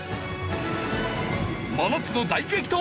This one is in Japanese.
真夏の大激闘